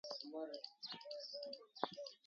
اسآݩ ري تر ميݩ گُوآر رو ڦسل ٿئي دو۔